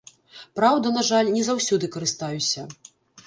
Праўда, на жаль, не заўсёды карыстаюся.